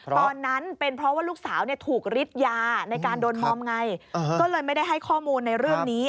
ตอนนั้นเป็นเพราะว่าลูกสาวถูกฤทธิ์ยาในการโดนมอมไงก็เลยไม่ได้ให้ข้อมูลในเรื่องนี้